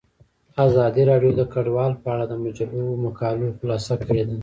ازادي راډیو د کډوال په اړه د مجلو مقالو خلاصه کړې.